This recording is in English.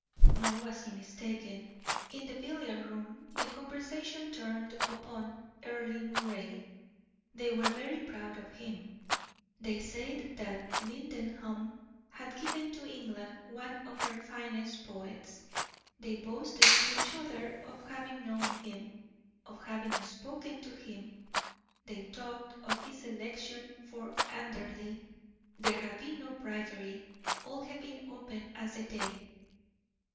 Nor was he mistaken. In the billiard room the conversation turned upon Earle Moray they were very proud of him, they said that Lindenholm had given to England one of her finest poets they boasted to each other of having known him, of having spoken to him; they talked of his election for Anderley; there had been no bribery all had been open as the day.